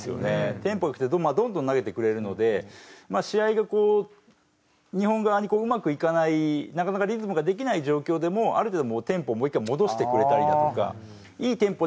テンポが良くてどんどん投げてくれるので試合がこう日本側にうまくいかないなかなかリズムができない状況でもある程度テンポをもう一回戻してくれたりだとかいいテンポでいってる時はそのテンポを